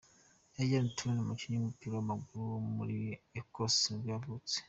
Iain Turner, umukinnyi w’umupira w’amaguru wo muri Ecosse nibwo yavutse.